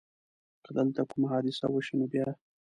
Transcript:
که دلته کومه حادثه وشي نو بیا؟